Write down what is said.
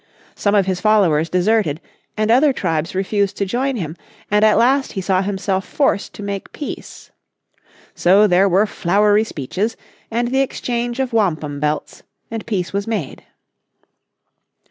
Some of his followers deserted, and other tribes refused to join him, and at last he saw himself forced to make peace. So there were flowery speeches, and the exchange of wampum belts, and peace was made.